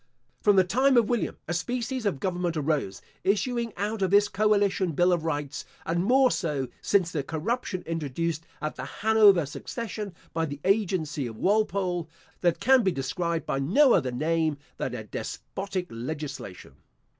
From the time of William a species of government arose, issuing out of this coalition bill of rights; and more so, since the corruption introduced at the Hanover succession by the agency of Walpole; that can be described by no other name than a despotic legislation.